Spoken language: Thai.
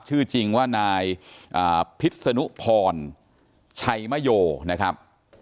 ชื่อจริงว่านายพิษนุพรชัยมโยนะครับ